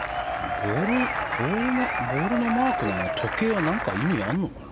ボールのマークの時計は何か意味があるのかな。